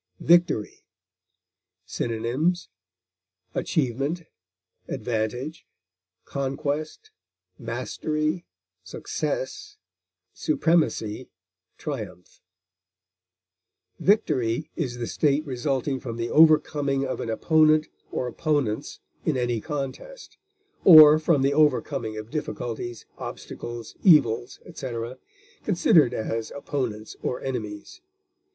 VICTORY. Synonyms: achievement, conquest, success, triumph. advantage, mastery, supremacy, Victory is the state resulting from the overcoming of an opponent or opponents in any contest, or from the overcoming of difficulties, obstacles, evils, etc., considered as opponents or enemies.